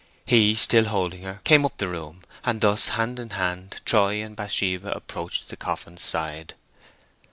He, still holding her, came up the room, and thus, hand in hand, Troy and Bathsheba approached the coffin's side.